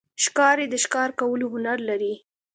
ښکاري د ښکار کولو هنر لري.